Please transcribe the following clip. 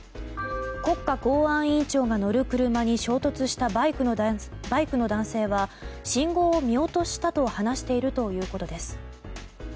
国家公安委員長が乗る車に衝突したバイクの男性は信号を見落としたと話しているということです。